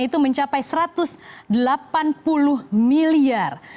itu mencapai satu ratus delapan puluh miliar